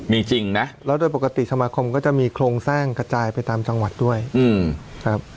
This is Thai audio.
มีจริงนะแล้วโดยปกติสมาคมก็จะมีโครงสร้างกระจายไปตามจังหวัดด้วยครับ